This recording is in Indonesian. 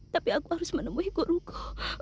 tapi aku harus menemui guruku